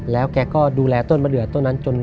แล้วแกก็ดูแลต้นมะเดือต้นนั้นจน